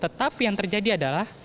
tetapi yang terjadi adalah